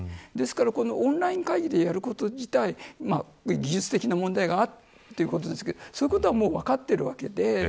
ですからオンライン会議でやること自体技術的な問題がということですがそういうことは分かっているわけで。